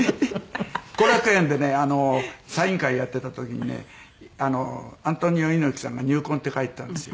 後楽園でねサイン会やってた時にねアントニオ猪木さんが入魂って書いてたんですよ。